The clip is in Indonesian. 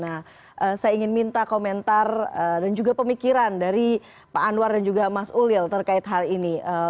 nah saya ingin minta komentar dan juga pemikiran dari pak anwar dan juga mas ulil terkait hal ini